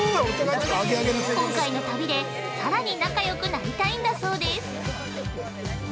今回の旅で、さらに仲よくなりたいんだそうです。